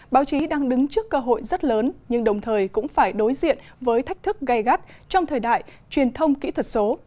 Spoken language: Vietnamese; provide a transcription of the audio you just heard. báo chí đang đứng trước cơ hội rất lớn nhưng đồng thời cũng phải đối diện với thách thức gây gắt trong thời đại truyền thông kỹ thuật số